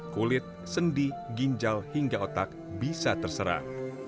kulit sendi ginjal hingga otak bisa terserah